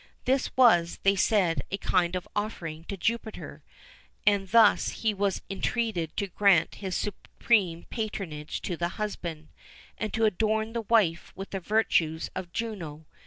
[XIV 16] This was, they said, a kind of offering to Jupiter, and thus he was entreated to grant his supreme patronage to the husband, and to adorn the wife with the virtues of Juno.